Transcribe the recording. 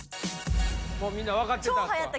もうみんな分かってたんですか？